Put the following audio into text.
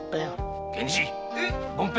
源次凡平！